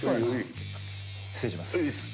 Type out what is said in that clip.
失礼します。